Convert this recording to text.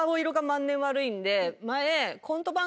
前。